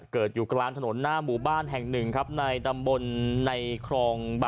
เกิดอยู่กลางถนนหน้าหมู่บ้านแห่งหนึ่งครับในตำบลในครอง